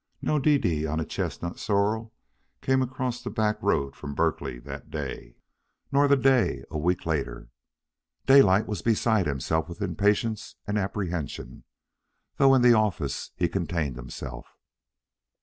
No Dede on a chestnut sorrel came across the back road from Berkeley that day, nor the day a week later. Daylight was beside himself with impatience and apprehension, though in the office he contained himself.